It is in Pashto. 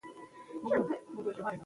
ژمی د افغانستان د بڼوالۍ برخه ده.